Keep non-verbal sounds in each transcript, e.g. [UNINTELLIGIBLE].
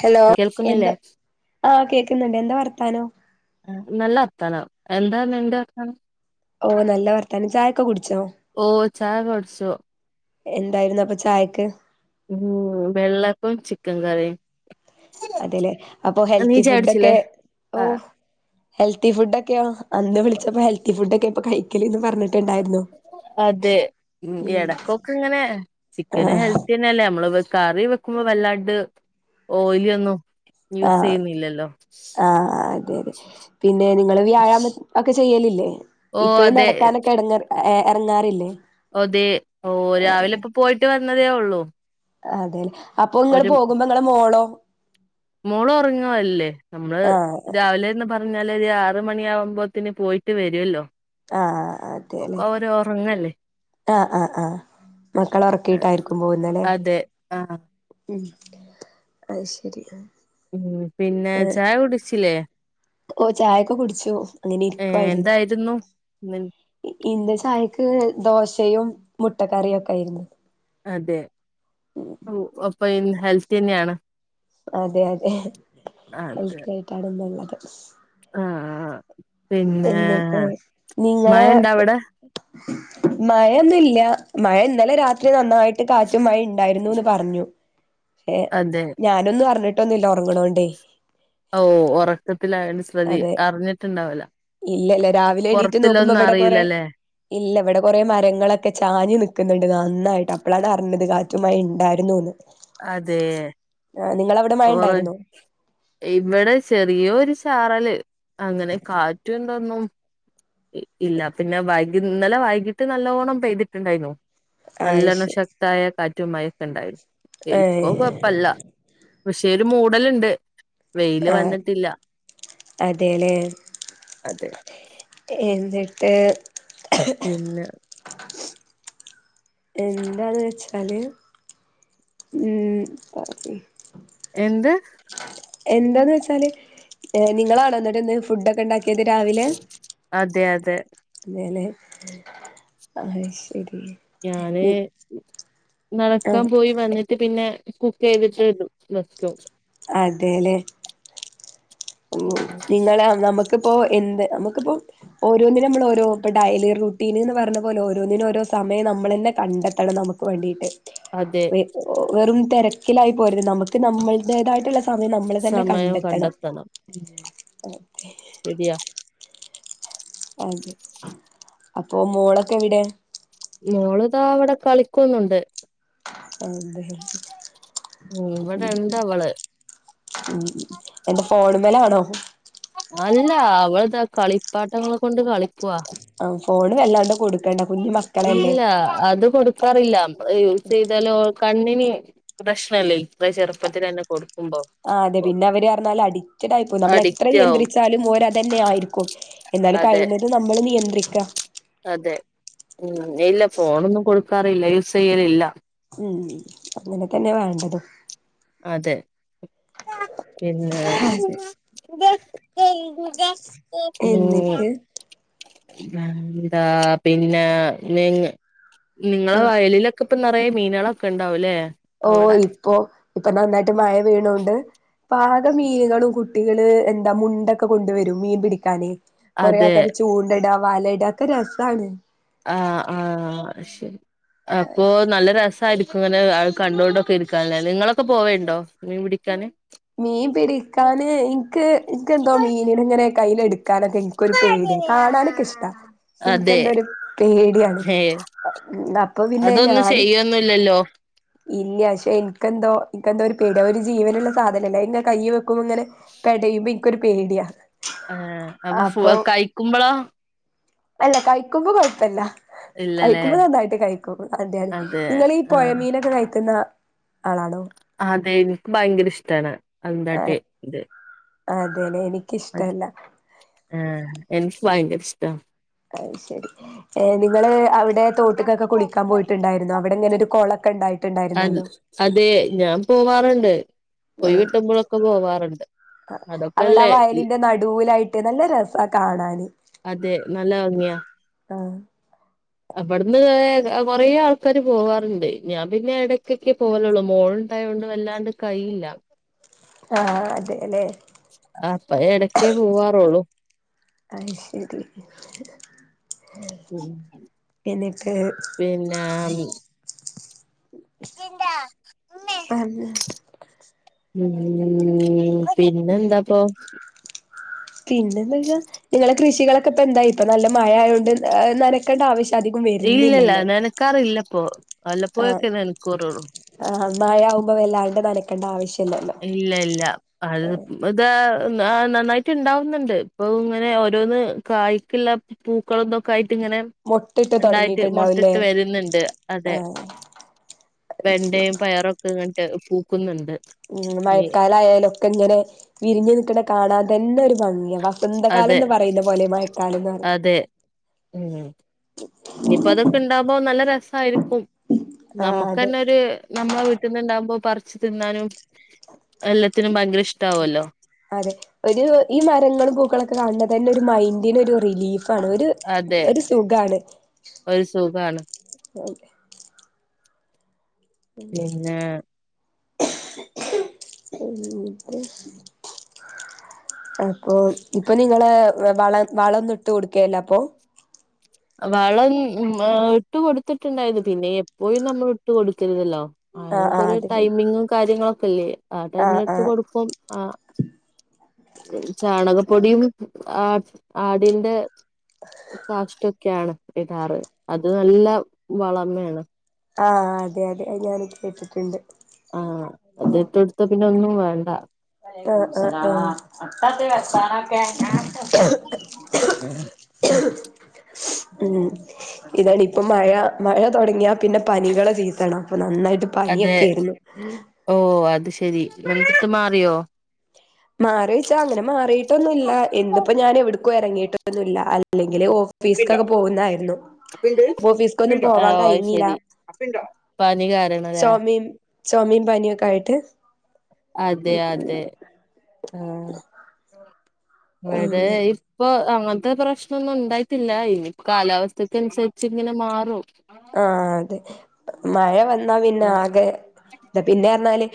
hello എന്ത് ആ കേക്കുന്നുണ്ട് എന്താ വർത്താനോ നല്ല വർത്താനം എന്താ നിന്റെ വർത്താനം ഓ നല്ല വർത്താനം ചായ ഒക്കെ കുടിച്ചോ ഓ ചായ ഒക്കെ കുടിച്ചു എന്തായിരുന്നു അപ്പൊ ചായക്ക് ഉം വെള്ളേപ്പോം ചിക്കൻ കറീം അതേല്ലേ അപ്പൊ നീ ഹെൽത്തി ചായ കുടിച്ചില്ലേ ഫുഡൊക്കെ ഓ ആഹ് ഹെൽത്തി ഫുഡ് ഒക്കെയോ അന്ന് വിളിച്ചപ്പോ ഹെൽത്തി ഫുഡ് ഒക്കെ ഇപ്പ കഴിക്കലെന്ന് പറഞ്ഞിട്ടുണ്ടായിരുന്നു അതെ എടക്കൊക്കെ ഇങ്ങനെ ചിക്കന് ആഹ് ഹെൽത്തി തന്നെല്ലേ നമ്മള് കറി വെക്കുമ്പോ വല്ലാണ്ട് ഓയില ഒന്നും യൂസ് ചെയ്യുന്നില്ലല്ലോ ആ അതെ അതെ പിന്നെ നിങ്ങള് വ്യയമം ഒക്കെ ചെയ്യലി ഓ ഇപ്പവും അതെ നടക്കാനൊക്കെ എടങ്ങറ എറങ്ങാറില്ലേ അതെ ഓ രാവിലെ ഇപ്പോ പോയിട്ട് വന്നതേ ഉള്ളു അതേല്ലെ അപ്പൊ ഇങ്ങള് പോകുമ്പോ നിങ്ങളെ മോളോ മോള് ഉറങ്ങുവല്ലേ നമ്മള് ആഹ് രാവിലെന്ന് പറഞ്ഞ് എന്നാല് ഒരു ആറ് മണിയ ആകുമ്പോത്തേന് പോയിട്ട് വരുമല്ലോ ആ അതെല്ലേ ഉറങ്ങല്ലേ ആ ആ ആ മക്കള അതെ ഒറക്കിയിട്ടായിരിക്കും പോകുന്നല്ലേ അതെ ആഹ് ഉം അത് ശരി ഉം പിന്നെ ആഹ് ചായ കുടിച്ചില്ലേ ഓ ചായെക്കെ കുടിച്ചു ഏ അങ്ങനിരിക്കുവായിരുന്നു എന്തായിരുന്നു ഇന്ന് ഇന്റെ ചായക്ക് ദോശയും മുട്ടക്കറിയും ഒക്കെ ആയിരുന്നു അതെ അപ്പൊ ഇൻ ഹെൽത്ത് തന്നെയാണ് അതെ അതെ അതെ ഹെൽത്തി ആയിട്ടാണ്ന്നുള്ളത് ആഹ് പിന്നെ എന്നിപ്പേ മഴ നിങ്ങളെ ഇണ്ട അവിടെ മഴേന്നുംല്ല മഴ ഇന്നലെ രാത്രി നന്നായിട്ട് കാ റ്റ മഴ ഉണ്ടായിരുന്നുന്ന് പറഞ്ഞു പക്ഷെ അതെ ഞാനൊന്നും അറിഞ്ഞിട്ടി ഇട്ടൊന്നില്ല ഉറങ്ങണോണ്ടേ ഓ ഒറക്കത്തിലായോണ്ട് ശ്രതി അറിഞ്ഞിട്ടുണ്ടാവ്ല ഇല്ല ഇല്ല രാവിലെ എണീറ്റ് നോക്കുമ്പോ ഇവിടെ കൊറെ അറിയില്ലല്ലേ ഇല്ല ഇവിടെ കൊറെ മരങ്ങളൊക്കെ ചാഞ്ഞ് നിക്കുന്നുണ്ട് നന്നായിട്ട് അപ്പോളാണ് അറിഞ്ഞത് കാറ്റുംമയേം ഉണ്ടായിരുന്നുന്ന് അതേ മഴ ഓറ ഇണ്ടായിരുന്നോ ഇവിടെ ചെറിയോരു ചാറല് അങ്ങനെ കാറ്റും എന്തൊന്നും ഇല്ല പിന്നെ വൈ ഇന്നലെ വൈകിട്ട് നല്ലോണ്ണം പെയ്തിട്ടുണ്ടായിരുന്നു ആഹ് നല്ലോണ്ണം ശരി ശക്തായ കാറ്റും മയേം ണ്ടായി ഇപ്പൊ ഏഹ് കൊഴപ്പല്ല പക്ഷേ ഒരു മൂടലുണ്ട് വെയില് വന്നിട്ടില്ല അതല അതെ എന്നിട്ട് പിന്നെ എന്താന്ന് വെച്ചാല് ഉം സച്ചെ എന്ത് എന്താന്ന് വെച്ചാല് നിങ്ങളാണ എന്നിട്ട് ഇന്ന് ഫുഡ് ഒക്കെ ഉണ്ടാക്കിയത് രാവിലെ അതെ അതെ അ ആ ശരി ഞാന് നി നടക്കാൻ ആഹ് പോയി മന്ന പിന്നെ കുക്ക് ചെയ്തിട്ട്ും നക്കും അതെല്ലേ ഉ ഉം നിങ്ങളെ നമുക്കിപ്പോൊ എന്ത് നമുക്കിപ്പോ ഓരോന്നിനും നമ്മൾ ഓരോ ഇ ഡെലി റുട്ടീൻ എന്ന് പറഞ്ഞ പോലെ ഓരോന്നിനും ഓരോ സമയം നമ്മൾ തന്നെ കണ്ടെത്തണം നമുക്ക് വേണ്ടീട്ട് അതെ വെറും തിരക്കിലായി പോയത് നമുക്ക് നമ്മളുടേതായിട്ടുള്ള സമയം നമ്മൾ തന്നെ സമയം കണ്ടെത്തണം ഉം െ ശരിയാ അതെ അപ്പൊ മോളൊക്കെ എവിടെ മോള്താ അവിടെ കളിക്കുന്നുണ്ട് അത ഉം ഉ ഇവിടെ ഇണ്ട് അവള് ഉ എന്റെ ഫോൺ മലാണോ അല്ല അവളതാ കളിപ്പാട്ടങ്ങൾ കൊണ്ട് കളി ആ ഫോണും വല്ലാണ്ട് കൊടുക്ക ഇല്ല അത് കൊടുക്കാറില്ല യൂസ് ചെയ്താലോ കണ്ണിന് പ്രശ്നല്ലേ ഇത്ര ചെറുപ്പത്തിൽ തന്നെ കൊടുക്കും ആ അതെ പിന്നെ അവര് പറഞ്ഞാാലും അഡിക്റ്റഡ് ആയി പോും നമ്മൾ എത്ര അഡിക്റ്റ് ആവും നിയന്ത്രിച്ചാലും ഓരത് തന്നെ ആയിരിക്കും എന്നാൽ അതെ കഴിയുന്നത് നമ്മൾ നിയന്ത്രിക്ക അതെ ഉ ഇല്ല ഫോണൊന്നും കൊടുക്കാറില്ല യൂസ് ചെയ്യലില്ല ഉം അങ്ങനെ തന്നെ വേണ്ടത് അതെ പിന്നെ അതെ ഉ എന്നിട്ട് [INAUDIBLE] വന്താ പിന്നെ നി നിങ്ങളെ വയലിലൊക്കെ ഇപ്പം നിറയ മീനുകളൊക്കെ ഉണ്ടാവല്ലേ ഓ ഇപ്പോൊ ഇപ്പൊ നന്നായിട്ട് മഴ വീണോണ്ട് പാക മീനുകളും കുട്ടികള് എന്താ മുണ്ടൊക്കെ കൊണ്ടുവരും മീൻ പിടിക്കാന്െ കുറെേ അതെ ആൾക്കാാര് ചൂണ്ട ഇടാ വാലയിട ഒക്കെ രസമാണ് ആഹ ആഹ ശരി അപ്പൊ നല്ല രസമായി ഇങ്ങനെ കണ്ടുകൊണ്ടൊക്കെ ഇരിക്കാന നിങ്ങളൊക്കെ പോവേണ്ടോ നീ പിടിക്കാാന് മീൻ പിടിക്കാന് എനിക്ക് എെന്തോ മീനിന ഇങ്ങനെ കയ്യിൽ എടുക്കാനൊക്കെ എനിക്കൊരു പേടിയാ കാണാനൊക്കെഷ്ടാ എനക്ക് അതെ എന്ത ഒരു പേടിയാണ് ഏ അപ്പൊ പിന്നെ അതൊന്നും ഞാന് ചെയ്യൊന്നില്ലല്ലോ ഇല്ല പക്ഷെ എനക്ക്െന്തോ എനക്ക്െന്തോ ഒരു പിട ഒരു ജീവനുള്ളള്ള സാധനംല്ലേ കയ് വെക്കുമ്പോ ഇങ്ങനെ ക്യുമ്പോ എനിക്കൊരു പേടിയാണ് ഏ അപ്പൊ ഫ കഴിക്കുമ്പോളാ അല്ല കഴിക്കുമ്പോ കുഴപ്പല്ല ഇല്ലല്ലേ കഴിക്കുമ്പോ നന്നായിട്ട് കഴിക്കും അതെ അതെ നിങ്ങീഈ പുഴമീന എക്കുന്ന ആളാണോ അതെ എനിക്ക് ഭയങ്കര ഇഷ്ടാണ് എന്താട്ടെ ഇത് അതെന്നെ എനി ആ എനിക്ക് ഭങ്കര ഇഷ്ടാ അയി ശരി ഏ നിങ്ങളെ അവര തോട്ടക്കൊക്കെ കുളിക്കാൻ പോയിട്ടുണ്ടായിരുന്നു അവിടെ ഇങ്ങനിക്കൊരു കൊളൊക്കെ അ ഉണ്ടായിട്ടുണ്ടായിരുന്നല്ലോ അതെ ഞാൻ പോവാറുണ്ടെ ഒയിവിട്ടുമ്പോ ഴൊക്കെ പോവാറുണ്ട് അവിടാ അതൊക്കെല്ലേ വയലിന്റെ നടുവിലായിട്ട് നല്ല രസാ കാണാനെ അതെ നല്ലങ്ങിയാ ആ അവിടുന്നേ കുറെേ ആൾക്കാരെ പോവാറുണ്ടേ ഞാൻ പിന്നെ ഇടയ് ക്കൊക്കെ പോവലുള്ളു മോൾ തായോണ്ട് വല്ലാണ്ട് കയിയില്ല ആ അതെ അല്ലെ അപ്പ എടയ്ക്കേ പോവാറുള്ളൂ അയി ശരി ഉം എനിക്ക് ഉം പറഞ്ഞ് ഉം പിന്നെന്താപ്പോ പിന്നെന്താച്ചാ നിങ്ങളെ കൃഷികളൊക്കെ ഇപ്പ എന്തായിപ്പ നല്ല മയയായോണ്ട് നനക്കണ്ട ആവശ്യ ഇല്ലില്ല നിനക്കാറില്ലിപ്പോ വല്ലപ്പോ യൊക്കെ നനക്കൂറുള്ളൂ മായയാകുമ്പോ വല്ലാണ്ട് നനക്കണ്ട ആവശ്യ ഇല്ല ഇല്ല അ ഇത് ആ നന്നായിട്ടി ണ്ടാവുന്നുണ്ട് ഇപ്പൊ ഇങ്ങനെ ഓരോന്ന് കായ്ക്കിൽ ല്ല പൂക്കളൊക്കെ കായി ഇങ്ങനെ മൊട്ടിട്ട് ഉണ്ടായിട്ട് തൊടങ്ങിയിട്ടുണ്ടാവുല്ലേ മൊട്ടിട്ട് വരുന്നുണ്ട് അതെ ആഹ് അത് ശരി വെണ്ടയും പയറൊക്കെ ഇങ്ങട്ട് പൂക്കുന്നുണ്ട് ഉ ഇനി മയക്കാലയാലൊക്കെ ഇങ്ങനെ വിരിഞ്ഞു നിക്കണ കാണാന്തന്നെ യൊരു നന്ദിയ അതെ വസന്തകാലന്ന് പറയുന്ന പോലെ മഴക്കാലന്ന് ഇനിപ്പോ അതൊക്കെ ഇണ്ടാവു മ്പോ നല്ല രസായിരിക്കും ആഹ് അതെ നമക്കന്നൊരു നമ്മള വീട്ടിന്നുണ്ടാകുമ്പോ പറിച്ച് തിന്നാനും എല്ലാ അതെ ഒരു ഈ മരങ്ങളും പൂക്കളൊക്കെ കാണ ഇതന്നൊരു മൈൻഡിനൊരു റിലീഫ് ആണെ ഒരു അതെ ഒരു സുഖാണ് ഒരു സുഖാണ് പിന്നെ ഉ [UNINTELLIGIBLE] അപ്പൊ ഇപ്പം നിങ്ങളെ വള വളൊന്നും ഇട്ട് കൊടുക്കേലാ അപ്പൊ വളം മാ ഇട്ട് കൊടുത്തിട്ടുണ്ടായിരുന്നു പിന്നെ എപ്പോഴും നമ്മളെ ഇട്ട് കൊടു ക്കരുതല്ലോ ആഹ് അതിനൊക്കെ ആഹ് ഒരു അത് ശരി ടൈമിങ്ങും കാര്യങ്ങളൊക്കെ ഇല്ലേ ആ ആഹ് ടൈമിലിട്ട് ആഹ് കൊടുക്കും ആ ചാണകം പൊടിയും ആട് ആടിന്റെ കാഷ്ടക് ഒക്കെയാണ് ഇടാറ് അത് നല്ല വളമയാണ് ആ ആ ആ അതിട്ടുകൊടുത്താ പിന്നൊ ന്നും വേണ്ട അ അട്ട വ സാന ക [UNINTELLIGIBLE] ആ ഉം ഇതാണിപ്പം മഴ മഴ തൊടങ്ങിയാ പ്പിന്നെ പനികളെ സീസണാ നന്നായിട്ട് അതെ പനിയൊക്കെയാണെ ഓ അത് ശെരി നിങ്ങക്ക് മാറിയോ മാറീച്ചാ അങ്ങനെ മാറീട്ടൊന്നില്ല ഇന്നിപ്പം ഞാൻ എവിടെക്കും എ റങ്ങിയിട്ടൊന്നുമില്ല അല്ലെങ്കില് ഓഫീ ഫീസ്ക്കൊക്കെ പോന്നതായിരുന്നു ഓഫീസ്ക്കൊന്നും പോവാൻ ആഹ് കയി അത് ഞ്ഞില്ല ശരി പനി കാരണല്ലേ സോമീം ചോമയും പനിയുമൊക്കെ ആയിട്ട് അതെ അതെ ആഹ ഉം അവിടെ ഇപ്പൊ അങ്ങനത്തെ പ്രശ്നംൊന്നും ഉണ്ടായിട്ടില്ല ഇനി കാലാവസ്ഥക്ക അനുസരിച്ച് ഇങ്ങനെ മാറും ആഹ് അതെ മഴ വന്നാ പിന്നെ ഉം ആകെ ഇ പിന്നെ പറഞ്ഞാല്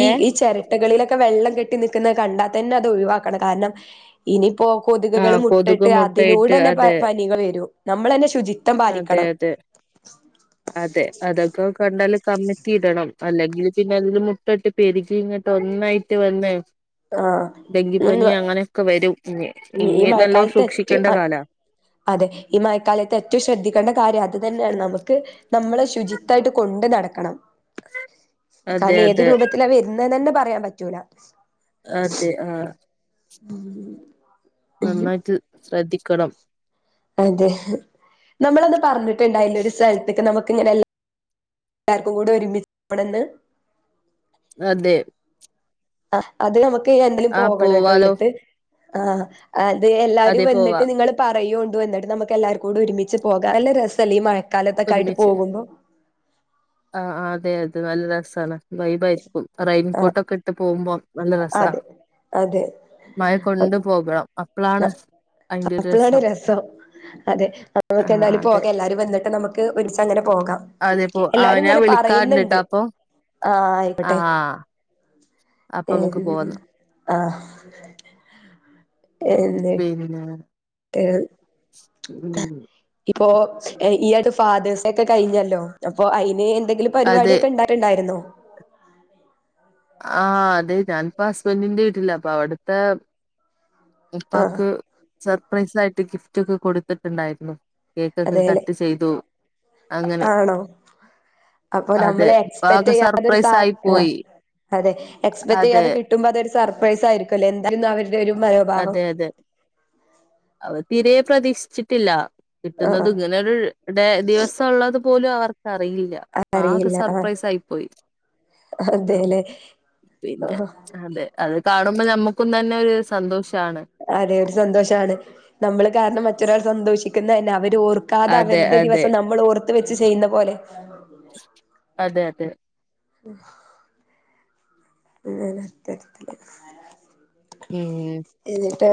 ഈ ഏഹ് ഈ ചിരട്ടകളിലൊക്കെ െ വെള്ളം കെട്ടി നിക്കുന്നത് കണ്ടാൽ തന്നെ അത് ഒഴിവാക്കണം കാരണം ഇനിയിപ്പോൊ കൊതുകുകളും ആഹ് കൊതുക് മുട്ടിട്ട് അതിനൂടെ മുട്ടയിട്ട് തന്നെ പ അതെ പനികൾ വരും നമ്മൾ തന്നെ ശുചി അതെ അതെ കമ്മറ്റി ഇടണം അല്ലെങ്കിൽ പിന്നെ അതില് മുട്ടോട്ട് പെരുകി ഇങ്ങോട്ട് ഒന്നായിട്ട് വന്നേ ആഹ് ഡെങ്കിപ്പനി അങ്ങനെയൊക്കെ വരും ഇനി ഇനി നീം നല്ലോ ആയിക്കാലത്തെച്ച സൂക്ഷിക്കേണ്ട കാലാ അതെ ഈ മഴക്കാലയത്തെ ഏറ്റവും ശ്രദ്ധിക്കേണ്ട കാര്യം അത് തന്നെയാണ് നമുക്ക് നമ്മളെ ശുചിത്ായിട്ട് കൊണ്ട് നടക്കണം അതെ കാരണം ഏത് അതെ രൂപത്തില അവ വരുന്നന്ന് തന്നെ പറഞ്ഞ പറയാൻ പറ്റൂല അതെ ആഹ മം നന്നായിട്ട് ശ്രദ്ധിക്കണം അതെ നമ്മളൊന്ന് പറഞ്ഞിട്ടുണ്ടായിില്ല ഒരു സ്ഥലത്തേക്ക് നമുക്ക് ഇങ്ങനെല്ല എല്ലാവർക്കും കൂടെ ഒരുമിച്ചണെന്ന് അതെ ആ അത് നമുക്ക് എന്തങ്കിലും ആഹ് പോകണം കേട്ടോ പോവാലോ ഇടത്ത് ആ അത് എല്ലാവാരും അതെ പോവാ വന്നിട്ട് നിങ്ങള് പറയുകോണ്ടണ്ട് വന്നിട്ട് നമുക്ക് എല്ലാവർും കൂടി ഒരുമിച്ച് പോകാം നല്ല രസംല്ലഈ മഴ കാലത്തൊക്കായിട്ട് ഒരുമിച്ച് പോകുന്നു ത് നല്ല രസാണ് വൈബായിരിക്കും ആ റെയിംകോട്ടൊക്കെ ഇട്ട് പോകുമ്പോ നല്ല രസാ അതെ അതെ മഴ കൊൊണ്ട് പോകാ അപ്പളാണ് അയിന്റെ ഒരു അപ്പളാണ് രസം അതെ നമക്ക് ആഹ് എന്തായാലും പോക അതെ എല്ലരും വന്നിട്ട് നമുക്ക് ഒരിസങ്ങനെ പോകാം അതെ പോ ആഹ് എല്ലാരും ഞാൻ ഇങ്ങനെ പറയുന്നുണ്ട് വിളിക്കാറുണ്ട്ട്ടോ അപ്പൊ ആ ആയിക്കോട്ടെ അപ്പമക്ക് പോവ ആ പി ഏ ഉം ഇപ്പോ ഈ ആയിട്ട് ഫാതേയ്സൊക്കെ കഴിഞ്ഞല്ലോ അപ്പോ അയിന് എന്തെങ്കും അതെ പരിപാടിയൊക്കെ ഇണ്ടാക ഇങ്ങായിയിരുന്നോ ആഹ് അതെ ഞാാനിപ്പ ഹസ്ബന്റിന്റെ വീട്ടില അപ്പൊ അവിടത്തെ ആഹ് ഉപ്പാക്ക് സർപ്രൈസ് ആയിട്ട് ഗിഫ്റ്റ് ഒക്കെ കൊടുത്തിട്ടുണ്ടായിരുന്നു കേക്കൊക്കെ അതേല്ലെ കട്ട് ചെയ്തു അങ്ങനെ ആണോ അപ്പൊ അതെ നമ്മള് എക്സ്പെക്ട് ആകെ ചെയ്യാതൊരു സർപ്രൈസ് സാ ആയി ആഹ് പോയി അതെ എക്സ്പെക്ട് അതെ യ്യാതെ കിട്ടുമ്പോ അതൊ സർപ്രൈസ് ആയിരിക്കല്ലോ എന്തും അവ അതെ അതെ അവര് തീരെ പ്രതീക്ഷിച്ചിട്ടില്ല കിട്ടുന്നുന്നത് ആഹ് ഇങ്ങനെരു ദിവസം ഉള്ളത് പോലും അവർക്ക് അറിയില്ല ആകെ അറിയില്ല ആഹ് സർപ്രൈസ് ആയി പോയി ആ അതേല്ലെ പിന്നെ ആഹ് അതെ അത് കാണുമ്പോ നമ്മുക്കും തന്നെ ഒരു സന്തോഷ അതെ ഒരു സന്തോഷാണ് നമ്മള് കാരണം മറ്റൊരാൾ സന്തോഷിക്കുന്ന തന്നെ അവര് ഓർക്കാതെ അതെ അവരുടെ അതെ ദിവസം നമ്മൾ ഓർത്ത് വെച്ച് ചെയ്യുന്ന പോലെ തെ [INAUDIBLE] ഉം എന്നിട്ട്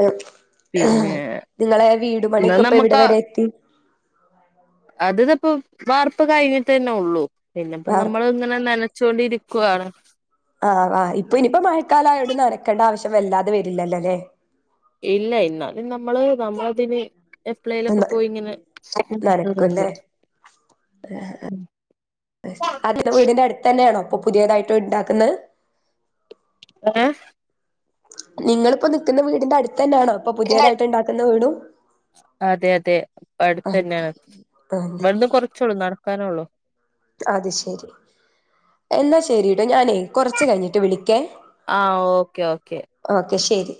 പിന്നെ നിങ്ങളെ വീടു എന്നാ പണിയൊക്കെ ഇപ്പ ഇവിടെ വരെ എത്തി അത് തപ്പ വാർപ്പ് കഴിഞ്ഞിട്ട് തന്നെ ഉള്ളു പിന്നെ ഇപ്പോ വാർ നമ്മൾ ഇങ്ങനെ ന ച്ചൊണ്ടിരിക്കാണ് ആ ആ ഇപ്പൊ ഇനിപ്പോ മഴക്കാലയോണ്ട് നനക്കേണ്ട ആവശ്യം വല്ലാതെ വരില്ലല്ലോല്ലേ ഇല്ല എന്നാലും നമ്മള് നമ്മളതിന് എപ്ലെലൊക്കെ എന്താ പോയി ഇങ്ങനെ [UNINTELLIGIBLE] ണ്ട് നനക്കുംല്ലേ അതിന്റെ വീടിന്റെ അടുത്തന്നെണോ അപ്പൊ പുതിയതായിട്ട് ഇണ്ടാക്കുന്നത് ഏ നിങ്ങളിപ്പോ നിക്കുന്ന വീടിന്റെ അടുത്തെനാണോ ഇപ്പൊ പുതിയതായിട്ട് ണ്ടാക്കുന്ന വീടും അതെ അതെ ആഹ് അടുത്തെന്നെയാണ് ആഹ് ഇവിട്ന്ന് കൊറച്ചോള്ളൂ നടക്കാനേള്ളു അത് ശെരി എന്നാ ശരിട്ടോ ഞാനേ കൊറച് കഴിഞ്ഞിട്ട് വിളി ആ ഓക്കെ ഓക്കെ ശരി